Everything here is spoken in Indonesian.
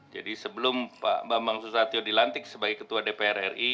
jadi sebelum pak bambang susatyo dilantik sebagai ketua dpr ri